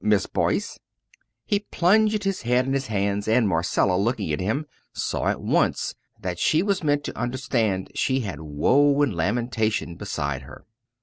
Miss Boyce!" He plunged his head in his hands, and Marcella, looking at him, saw at once that she was meant to understand she had woe and lamentation beside her.